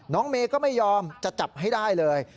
เมย์ก็ไม่ยอมจะจับให้ได้เลย